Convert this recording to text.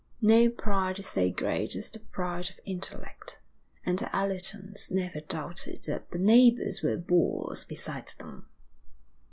No pride is so great as the pride of intellect, and the Allertons never doubted that their neighbours were boors beside them.